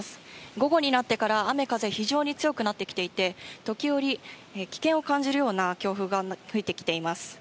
午後になってから、雨風、非常に強くなってきていて、時折、危険を感じるような強風が吹いてきています。